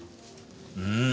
うん？